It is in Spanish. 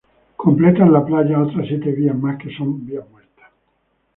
Completan la playa otras siete vías más que son vías muertas.